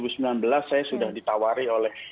saya sudah ditawari oleh